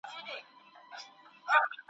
پر هر ځای مي میدانونه په ګټلي ,